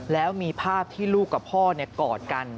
แล้วมีภาพที่ลูกกับพ่อกอดกัน